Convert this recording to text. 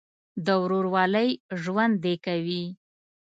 د ورورولۍ ژوند دې کوي.